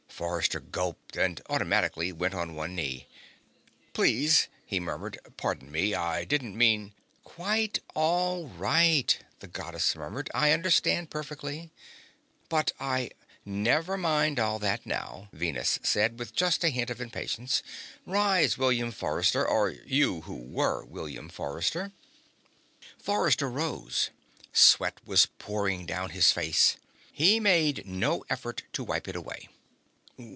Forrester gulped and, automatically, went on one knee. "Please," he murmured. "Pardon me. I didn't mean " "Quite all right," the Goddess murmured. "I understand perfectly." "But I " "Never mind all that now," Venus said, with just a hint of impatience. "Rise, William Forrester or you who were William Forrester." Forrester rose. Sweat was pouring down his face. He made no effort to wipe it away.